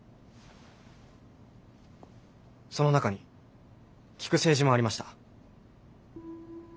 その中に聞く政治もありました。